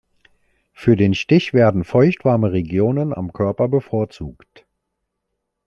Für den Stich werden feuchtwarme Regionen am Körper bevorzugt.